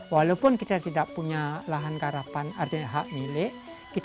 walaupun kita tidak punya lahan garapan artinya hak milik